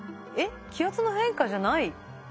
えっ気圧の変化じゃない。